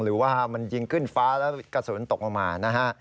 หรือว่ามันยิงขึ้นฟ้าแล้วกระสุนตกลงมานะฮะ